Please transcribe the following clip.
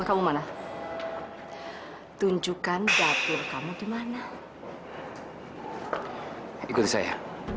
sampai jumpa di video selanjutnya